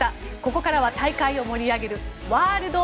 ここからは大会を盛り上げるワールド！